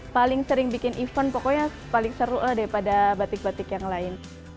paling sering bikin event pokoknya paling seru lah daripada batik batik yang lain